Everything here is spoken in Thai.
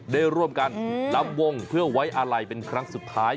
ได้ร่วมกันลำวงเพื่อไว้อาลัยเป็นครั้งสุดท้าย